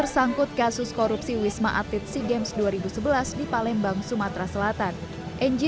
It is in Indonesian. sangkut kasus korupsi wisma atlet seagames dua ribu sebelas di palembang sumatera selatan engi